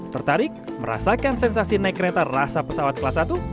tertarik merasakan sensasi naik kereta rasa pesawat kelas satu